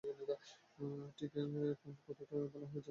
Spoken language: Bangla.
ঠিক কোন কথাটা বললে ভালো হবে জাকারিয়া বুঝতে পারছেন না।